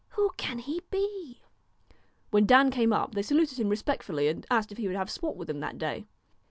Who can he be ?' When Dan came up, they saluted him respectfully and asked if he would have sport with them that 142 day.